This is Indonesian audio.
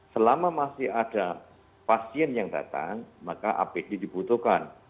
selama masih ada pasien yang datang maka apd dibutuhkan